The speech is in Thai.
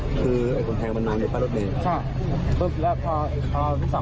คือไอ้คนแท้งบันดาลในฝ้าลดเมฆใช่ปุ๊บแล้วพอพี่๒พีดเสร็จ